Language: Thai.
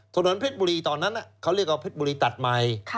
ถนนเพชรบุรีตอนนั้นเขาเรียกว่าเพชรบุรีตัดใหม่